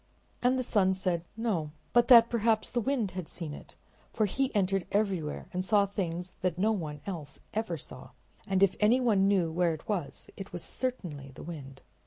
And the sun said no, but that perhaps the wind had seen it, for he entered everywhere and saw things that no one else ever saw, and if anyone knew where it was it was certainly the wind.